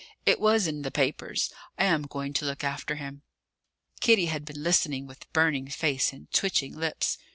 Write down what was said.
It was in the papers. I am going to look after him." Kitty had been listening with burning face and twitching lips.